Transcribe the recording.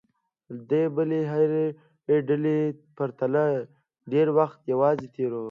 د بلې هرې ډلې پرتله ډېر وخت یوازې تېروي.